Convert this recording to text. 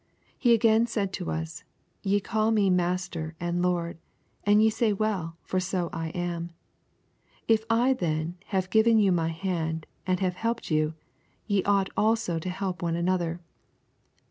He again said to us: 'Ye call Me Master and Lord, and ye say well, for so I am. If I then have given you My hand, and have helped you, ye ought also to help one another.'